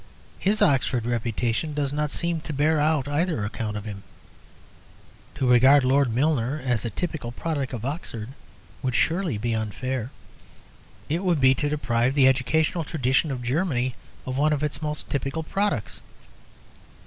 His Oxford reputation does not seem to bear out either account of him. To regard Lord Milner as a typical product of Oxford would surely be unfair. It would be to deprive the educational tradition of Germany of one of its most typical products.